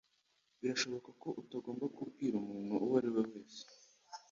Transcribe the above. Birashoboka ko utagomba kubwira umuntu uwo ari we wese.